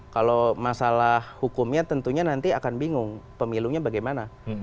kalau masalah hukumnya tentunya nanti akan bingung pemilunya bagaimana